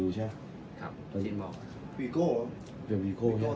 ส่วนสุดท้ายส่วนสุดท้าย